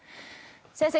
先生